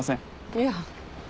いや。